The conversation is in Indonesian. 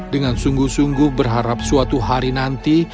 dengan sungguh sungguh berharap suatu hari nanti